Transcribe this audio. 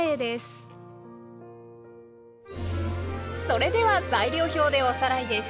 それでは材料表でおさらいです。